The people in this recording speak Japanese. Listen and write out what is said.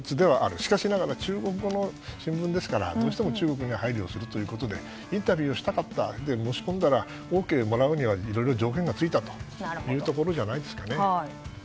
しかし、中国語の新聞ですからどうしても中国に配慮をするということでインタビューを申し込んだらＯＫもらうにはいろいろ条件が付いたというところじゃないですかね。